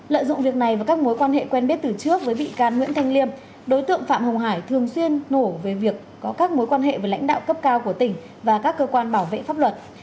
lợi dụng việc này và các mối quan hệ quen biết từ trước với bị can nguyễn thanh liêm đối tượng phạm hồng hải thường xuyên nổ về việc có các mối quan hệ với lãnh đạo cấp cao của tỉnh và các cơ quan bảo vệ pháp luật